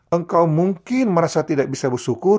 engkau mungkin merasa tidak bisa bersyukur